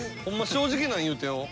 正直なん言うてよ。